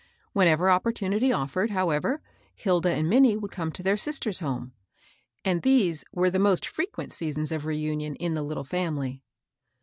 When ever opportunity offered, however, Hilda and Min nie would come to their sister's home ; and these were the most frequent seasons of reunion in the little family.